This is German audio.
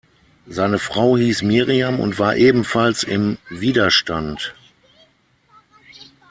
Seine Frau hieß Miriam und war ebenfalls im Widerstand.